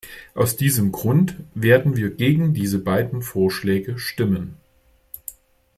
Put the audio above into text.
Aus diesem Grund werden wir gegen diese beiden Vorschläge stimmen.